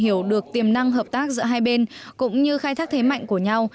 chúng ta sẽ tìm hiểu được tiềm năng hợp tác giữa hai bên cũng như khai thác thế mạnh của nhau